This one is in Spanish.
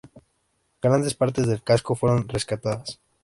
Grandes partes del casco fueron rescatadas.